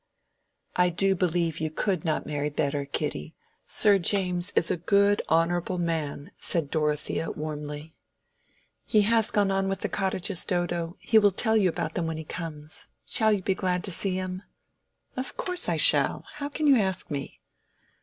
"I do believe you could not marry better, Kitty. Sir James is a good, honorable man," said Dorothea, warmly. "He has gone on with the cottages, Dodo. He will tell you about them when he comes. Shall you be glad to see him?" "Of course I shall. How can you ask me?"